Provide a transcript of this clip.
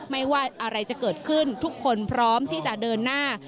ไม่ว่าอะไรจะเกิดขึ้นทุกคนพร้อมที่จะเดินหน้า